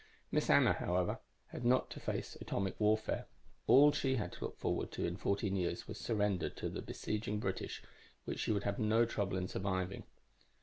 Miss Anna, however, had not to face atomic warfare; all she had to look forward to in fourteen years was surrender to the besieging British, which she would have no trouble in surviving.